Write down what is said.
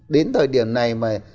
đến thời điểm này mà dịch